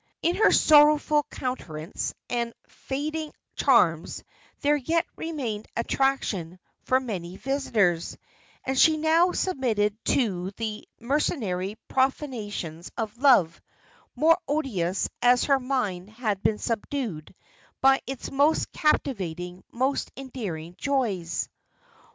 In her sorrowful countenance and fading charms there yet remained attraction for many visitors; and she now submitted to the mercenary profanations of love, more odious, as her mind had been subdued by its most captivating, most endearing joys.